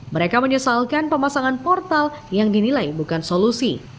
mereka menyesalkan pemasangan portal yang dinilai bukan solusi